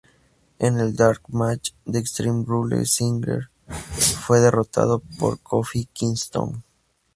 En el dark match de Extreme Rules, Ziggler fue derrotado por Kofi Kingston.